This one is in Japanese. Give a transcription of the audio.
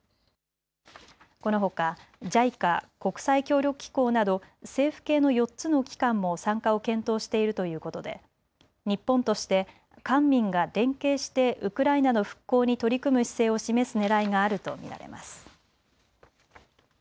このほかＪＩＣＡ・国際協力機構など政府系の４つの機関も参加を検討しているということで日本として官民が連携してウクライナの復興に取り組む姿勢を示すねらいがあると見られます。